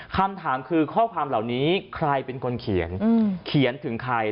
คำถามคือข้อความเหล่านี้ใครเป็นคนเขียนเขียนถึงใคร